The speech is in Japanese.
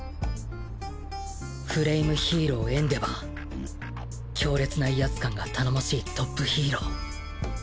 フレイムヒーローエンデヴァー強烈な威圧感が頼もしいトップヒーロー